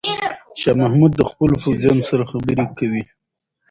شاه محمود د خپلو پوځیانو سره خبرې کوي.